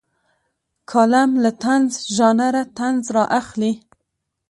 کالم له طنز ژانره طنز رااخلي.